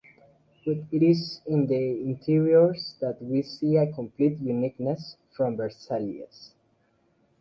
But it is in the interiors that we see a complete uniqueness from Versailles.